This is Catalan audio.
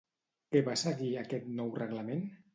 Què va seguir a aquest nou reglament?